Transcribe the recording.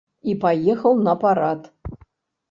І паехаў на парад.